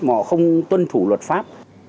mà họ không tuân thủ luật pháp